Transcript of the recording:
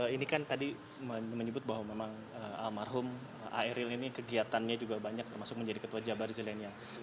ini kan tadi menyebut bahwa memang almarhum aeryl ini kegiatannya juga banyak termasuk menjadi ketua jabar zilenial